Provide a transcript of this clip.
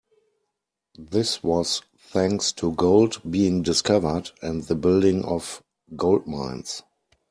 This was thanks to gold being discovered and the building of gold mines.